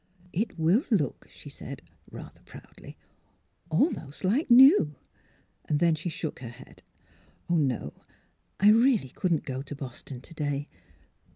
'' It will look," she said, rather proudly, " al most like new." Then she shook her head. "No; I really couldn't go to Boston to day.